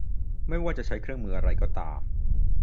ไม่ว่าจะใช้เครื่องมืออะไรก็ตาม